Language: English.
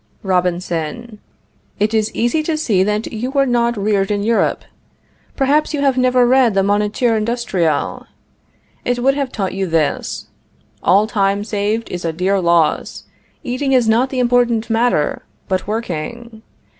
Robinson. It is easy to see that you were not reared in Europe. Perhaps you have never read the Moniteur Industriel? It would have taught you this: "All time saved is a dear loss. Eating is not the important matter, but working.